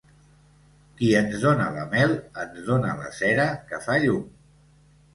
Qui ens dóna la mel, ens dóna la cera que fa llum.